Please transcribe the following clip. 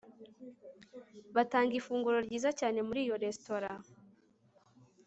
Batanga ifunguro ryiza cyane muri iyo resitora